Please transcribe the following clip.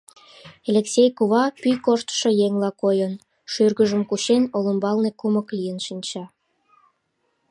Элексей кува, пӱй корштышо еҥла койын, шӱргыжым кучен, олымбалне кумык лийын шинча.